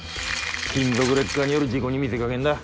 金属劣化による事故に見せかけんだ。